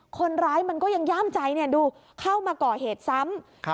คนร้ายมันก็ยังย่ามใจดูเข้ามาก่อเหตุซ้ำ